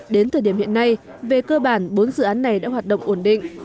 đến thời điểm hiện nay về cơ bản bốn dự án này đã hoạt động ổn định